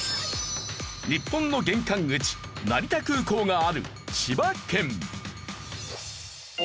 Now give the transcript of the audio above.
日本の玄関口成田空港がある千葉県。